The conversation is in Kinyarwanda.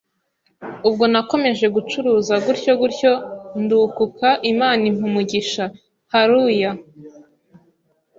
Ubwo nakomeje gucuruza gutyo, gutyo, ndukuka Imana impa umugisha!! HALLLUYA!!!